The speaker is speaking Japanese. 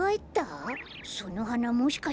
そのはなもしかしてわか蘭？